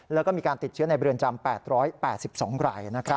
แล้วก็มีการติดเชื้อในเรือนจำ๘๘๒ราย